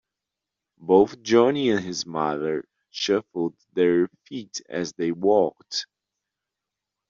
Both Johnny and his mother shuffled their feet as they walked.